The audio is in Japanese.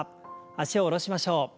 脚を下ろしましょう。